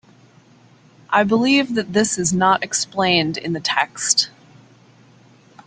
I believe that this is not explained in the text.